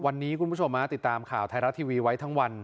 วันนี้คุณผู้ชมติดตามข่าวไทยรัฐทีวีไว้ทั้งวัน